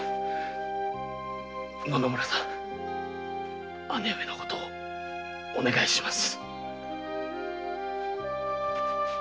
野々村さん姉上のことお願いします。